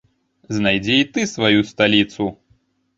Знайдзі і ты сваю сталіцу!